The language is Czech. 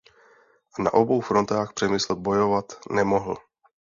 A na obou frontách Přemysl bojovat nemohl.